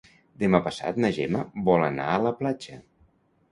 Demà passat na Gemma vol anar a la platja.